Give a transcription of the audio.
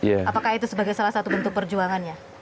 apakah itu sebagai salah satu bentuk perjuangannya